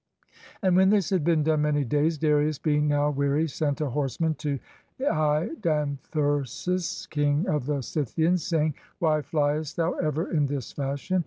And when this had been done many days, Darius, being now weary, sent a horseman to Idanthyrsus, King of the Scythians, saying, "Why flyest thou ever in this fashion?